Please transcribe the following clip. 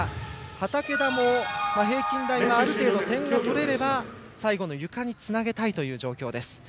畠田も平均台は、ある程度点が取れれば、最後のゆかにつなげたい状況です。